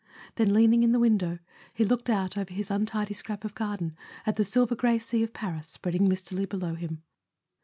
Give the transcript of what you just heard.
Then, leaning in the window, he looked out over his untidy scrap of garden at the silver grey sea of Paris spreading mistily below him.